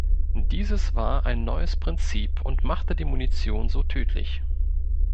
Dieses war ein neues Prinzip und machte die Munition so tödlich.